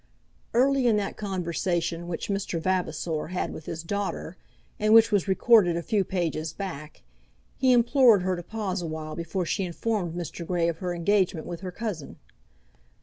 Early in that conversation which Mr. Vavasor had with his daughter, and which was recorded a few pages back, he implored her to pause a while before she informed Mr. Grey of her engagement with her cousin.